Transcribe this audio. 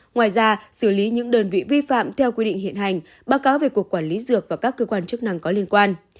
ngoài ra xử lý những đơn vị vi phạm theo quy định hiện hành báo cáo về cục quản lý dược và các cơ quan chức năng có liên quan